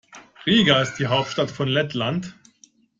Riga ist die Hauptstadt von Lettland.